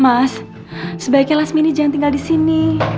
mas sebaiknya lasmini jangan tinggal di sini